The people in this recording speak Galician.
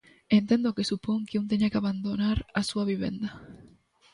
Entendo o que supón que un teña que abandonar a súa vivenda.